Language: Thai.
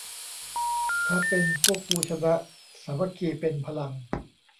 ถ้าเป็น พวกกูชนะ สามัคคีเป็นพลัง